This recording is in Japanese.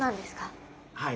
はい。